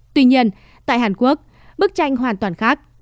tuy nhiên tại hàn quốc bức tranh hoàn toàn khác